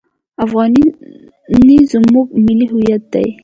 افغانۍ زموږ ملي هویت دی.